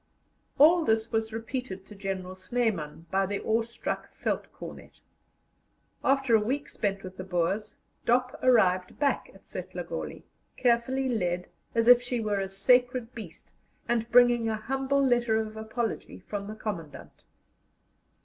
All this was repeated to General Snyman by the awestruck Veldtcornet. After a week spent with the Boers, Dop arrived back at Setlagoli, carefully led, as if she were a sacred beast, and bringing a humble letter of apology from the Commandant.